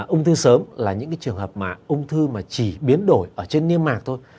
ung thư sớm là những cái trường hợp mà ung thư mà chỉ biến đổi ở trên niêm mạc thôi